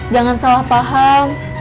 jangan salah paham